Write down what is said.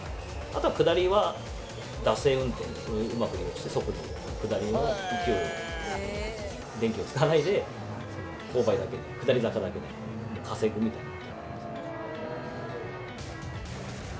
あとは下りは、惰性運転で、うまく利用して、速度を、下りは勢いを、電気を使わないで、勾配だけで、下り坂だけで稼ぐみたいな。